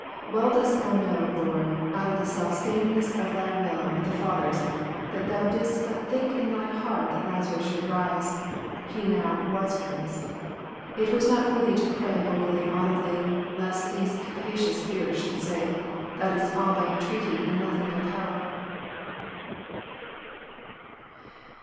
Well didst Thou know. Lord, out of the self sameness of Thy will with the Father's, that if Thou didst but think in Thy heart that Lazarus should rise, he was now raised. It was not for Thee to pray vocally and audibly, lest those captious hearers should say. Thou didst all by entreaty, and nothing by power."